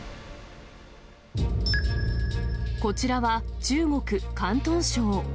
こちらは中国・広東省。